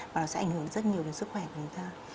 và nó sẽ ảnh hưởng rất nhiều đến sức khỏe của chúng ta